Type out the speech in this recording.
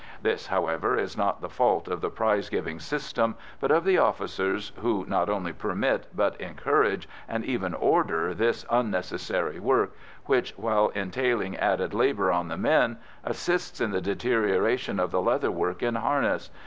This, however, is not the fault of the prize giving system, but of the officers who not only permit, but encourage and even order this unnecessary work, which, while entailing added labour on the men, assists in the deterioration of the leather work in harness.